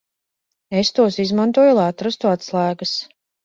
Es tos izmantoju, lai atrastu atslēgas.